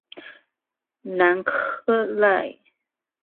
南克赖。